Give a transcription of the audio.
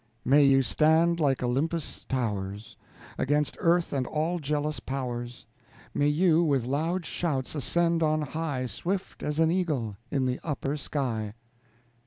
May you stand like Olympus' towers, Against earth and all jealous powers! May you, with loud shouts ascend on high Swift as an eagle in the upper sky.